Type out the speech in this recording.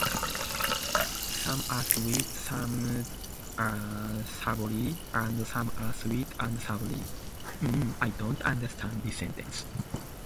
Some are sweet, some are savory, and some are sweet and savory.